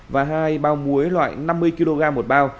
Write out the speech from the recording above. và hai bao muối loại năm mươi kg một bao